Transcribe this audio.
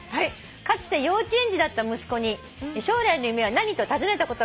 「かつて幼稚園児だった息子に将来の夢は何？と尋ねたことがあります」